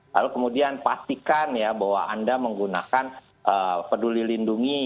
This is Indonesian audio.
lalu kemudian pastikan ya bahwa anda menggunakan peduli lindungi